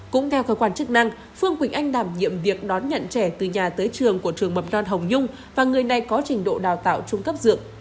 cũng theo cơ quan chức năng phương quỳnh anh đảm nhiệm việc đón nhận trẻ từ nhà tới trường của trường mầm non hồng nhung và người này có trình độ đào tạo trung cấp dưỡng